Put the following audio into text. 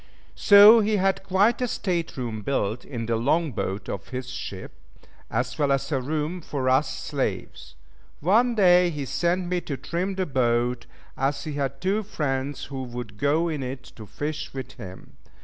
So he had quite a state room built in the long boat of his ship, as well as a room for us slaves. One day he sent me to trim the boat, as he had two friends who would go in it to fish with him.